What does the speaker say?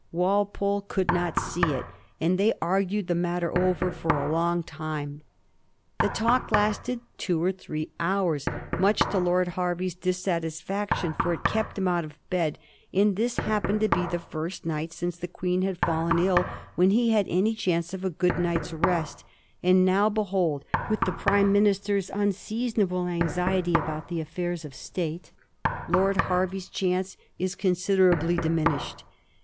Walpole could not see it, and they argued the matter over for a long time. The talk lasted two or three hours, much to Lord Hervey's dis satisfaction, for it kept him out of bed, and this happen ed to be the first night since the Queen had fallen ill when he had any chance of a good night's rest; and now be hold, with the Prime minister's unseasonable anxiety about the affairs of State, Lord Hervey's chance is considerably diminished.